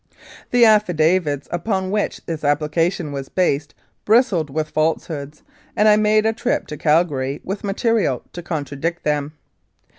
The affidavits upon which this application was based bristled with falsehoods, and I made a trip to Calgary with material to contradict them.